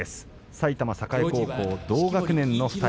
埼玉栄高校、同学年の２人。